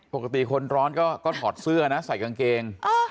คนร้อนก็ถอดเสื้อนะใส่กางเกง